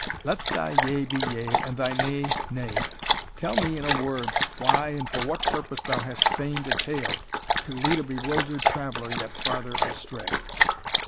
Let thy yea be yea, and thy nay, nay. Tell me in a word, why and for what purpose thou hast feigned a tale, to lead a bewildered traveller yet farther astray?"